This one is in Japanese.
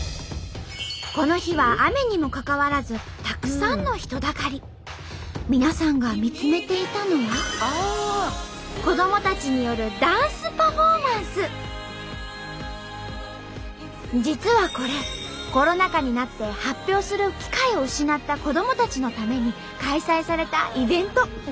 この日は雨にもかかわらず皆さんが見つめていたのは実はこれコロナ禍になって発表する機会を失った子どもたちのために開催されたイベント。